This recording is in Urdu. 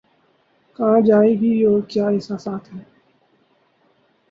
کہاں جائیں گی اور کیا احساسات ہیں